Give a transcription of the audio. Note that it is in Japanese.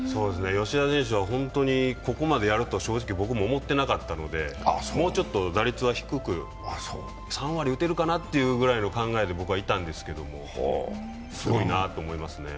吉田選手は本当にここまでやるとは思ってなかったんでもうちょっと打率は低く、３割打てるかなという考えで僕はいたんですけど、すごいなと思いますね。